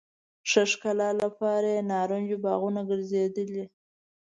ښه ښکلا لپاره یې نارنجو باغونه ګرځېدلي.